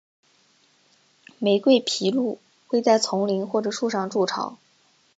玫瑰琵鹭会在丛林或树上筑巢。